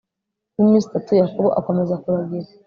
rw iminsi itatu yakobo akomeza kuragira